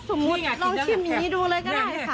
ค่ะลองลองถ้าถ้าสมมุติลองชิมอย่างงี้ดูเลยก็ได้ค่ะ